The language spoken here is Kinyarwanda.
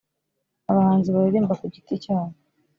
abahanzi baririmba ku giti cyabo